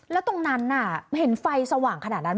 แล้วตรงนั้นเห็นไฟสว่างขนาดนั้น